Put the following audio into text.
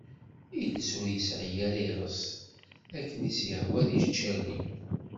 Iles ur yesɛi ara iɣes, akken i s-yehwa ad icali.